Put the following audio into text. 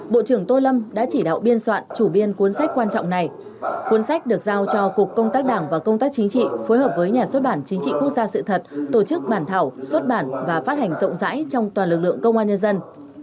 bộ trưởng tô lâm đã chỉ đạo biên soạn chủ biên cuốn sách quan trọng này cuốn sách được giao cho cục công tác đảng và công tác chính trị phối hợp với nhà xuất bản chính trị quốc gia sự thật tổ chức bản thảo xuất bản và phát hành rộng rãi trong toàn lực lượng công an nhân dân